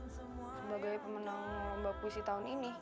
sebagai pemenang mbak puisi tahun ini